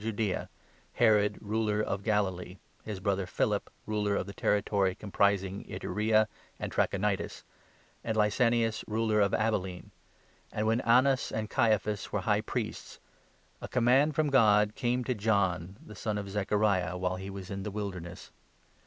Judaea, Herod Ruler of Galilee, his brother Philip Ruler of the territory comprising Ituraea and Trachonitis, and Lysanias Ruler of Abilene, and when Annas and Caiaphas 2 were High Priests, a Command from God came to John, the son of Zechariah, while he was in the Wilderness.